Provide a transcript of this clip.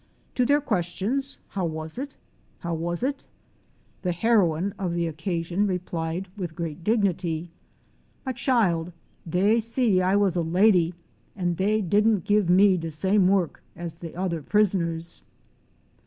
To their questions "How was it? how was it?" the heroine of the occasion GEORGETOWN. 119 replied with great dignity, "Me chile, dey see I was a lady an' dey didn' give me de same work as de other prisoners."